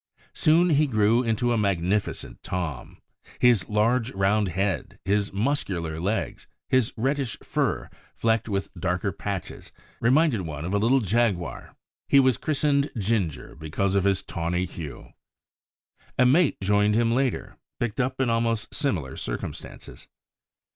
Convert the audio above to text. Soon he grew into a magnificent Tom. His large, round head, his muscular legs, his reddish fur, flecked with darker patches, reminded one of a little jaguar. He was christened Ginger because of his tawny hue. A mate joined him later, picked up in almost similar circumstances.